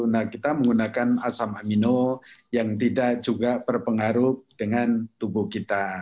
nah kita menggunakan asam amino yang tidak juga berpengaruh dengan tubuh kita